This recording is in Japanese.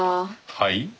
はい？